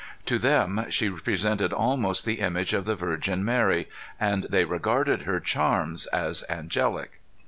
To them she presented almost the image of the Virgin Mary, and they regarded her charms as angelic.